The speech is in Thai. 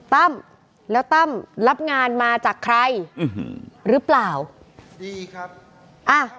ตั้มแล้วตั้มรับงานมาจากใครอืมหรือเปล่าดีครับอ่ะ